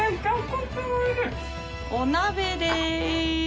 お鍋です。